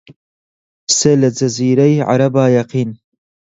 سێ لە جەزیرەی عەرەبا یەقین